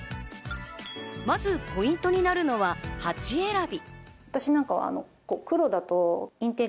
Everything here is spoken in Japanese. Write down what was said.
まずポイントになるのは鉢選び。